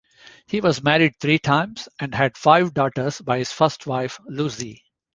He was married three times, and had five daughters by his first wife Lucy.